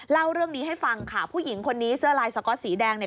เล่าเรื่องนี้ให้ฟังค่ะผู้หญิงคนนี้เสื้อลายสก๊อตสีแดงเนี่ย